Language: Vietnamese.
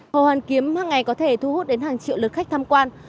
hồ văn kiếm hằng ngày có thể thu hút đến hàng triệu lượt khách tham quan